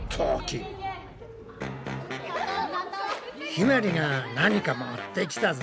ひまりが何か持ってきたぞ！